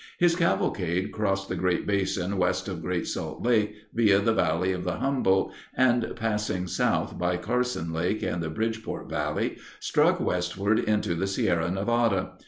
His cavalcade crossed the Great Basin west of Great Salt Lake via the valley of the Humboldt and, passing south by Carson Lake and the Bridgeport Valley, struck westward into the Sierra Nevada.